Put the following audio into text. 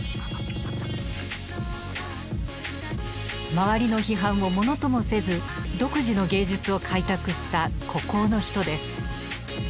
周りの批判をものともせず独自の芸術を開拓した孤高の人です。